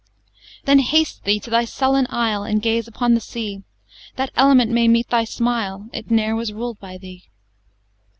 XIV Then haste thee to thy sullen Isle, And gaze upon the sea; That element may meet thy smile It ne'er was ruled by thee!